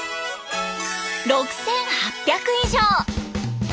６，８００以上！